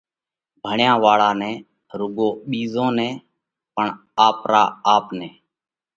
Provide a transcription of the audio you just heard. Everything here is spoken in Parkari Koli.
ڀڻيا واۯا نہ رُوڳو ٻِيزون نئہ پڻ آپرا آپ نئہ